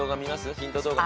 ヒント動画。